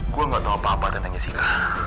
gue gak tau apa apa tentang jessica